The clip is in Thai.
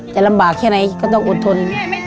ลำบากแค่ไหนก็ต้องอดทน